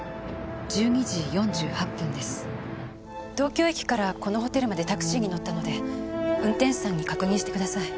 東京駅からこのホテルまでタクシーに乗ったので運転手さんに確認してください。